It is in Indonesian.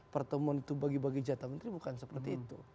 pertemuan itu bagi bagi jatah menteri bukan seperti itu